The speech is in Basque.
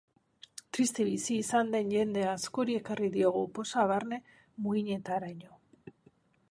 Triste bizi izan den jende askori ekarri diogu poza barne muinetaraino.